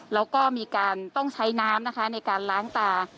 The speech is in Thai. แล้วก็มีการต้องใช้น้ำนะคะในการล้างตา